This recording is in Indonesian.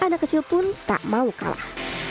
dan anak kecil pun tak mau kalah